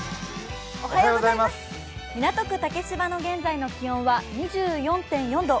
港区竹芝の現在の気温は２４．４度。